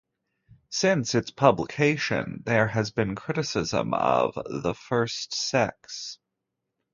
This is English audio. Since its publication, there has been criticism of "The First Sex".